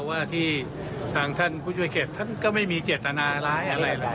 ว่าทางท่านผู้ช่วยเขตท่านก็ไม่มีเจตนาอะไร